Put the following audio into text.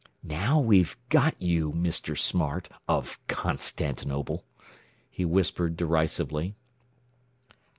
"Now we've got you, Mr. Smart, of Constantinople," he whispered derisively.